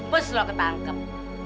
ampus lo ketangkep